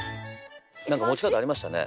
何か持ち方ありましたね。